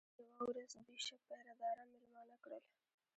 یوه ورځ بیشپ پیره داران مېلمانه کړل.